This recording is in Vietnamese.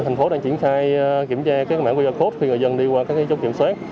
thành phố đang triển khai kiểm tra các mạng qr code khi người dân đi qua các trạm kiểm soát